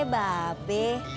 eh mbak be